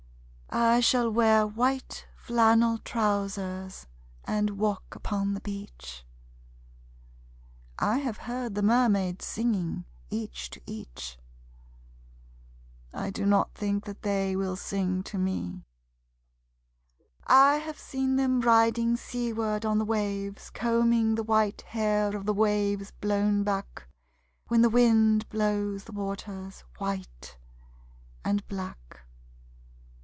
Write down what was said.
I shall wear white flannel trousers, and walk upon the beach. I have heard the mermaids singing, each to each. I do not think that they will sing to me. I have seen them riding seaward on the waves Combing the white hair of the waves blown back When the wind blows the water white and black.